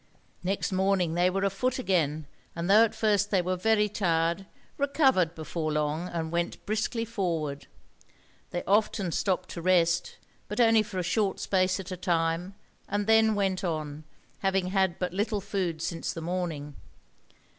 Next morning they were afoot again, and though at first they were very tired, recovered before long and went briskly forward. They often stopped to rest, but only for a short space at a time, and then went on, having had but little food since the morning.